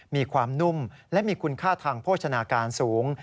มีความนุ่มและมีคุณค่าทางโภชนาการสูง